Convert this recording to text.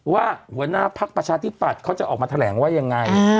หัวหน้าพักประชาธิปัตย์เขาจะออกมาแถลงว่ายังไง